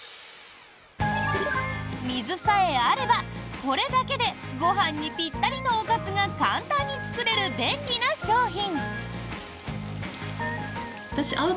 水さえあれば、これだけでご飯にぴったりのおかずが簡単に作れる便利な商品。